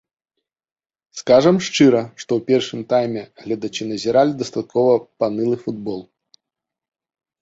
Скажам шчыра, што ў першым тайме гледачы назіралі дастаткова панылы футбол.